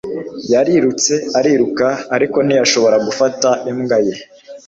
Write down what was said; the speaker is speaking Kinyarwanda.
Yarirutse ariruka ariko ntiyashobora gufata imbwa ye